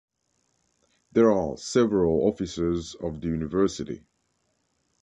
There are several officers of the university.